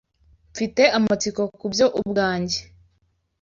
Mfite amatsiko kubyo ubwanjye.